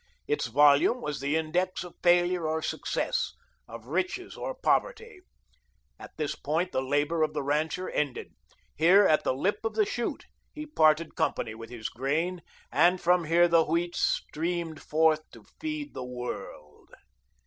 Its volume was the index of failure or success, of riches or poverty. And at this point, the labour of the rancher ended. Here, at the lip of the chute, he parted company with his grain, and from here the wheat streamed forth to feed the world.